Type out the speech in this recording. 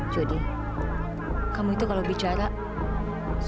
jodi kamu itu kalau bicara suka ngerti